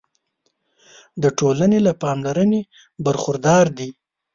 د ټولنې له پاملرنې برخورداره دي.